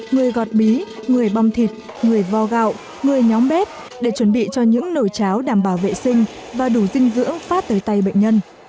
người gọt bí người bong thịt người vo gạo người nhóm bếp để chuẩn bị cho những nồi cháo đảm bảo vệ sinh và đủ dinh dưỡng phát tới tay bệnh nhân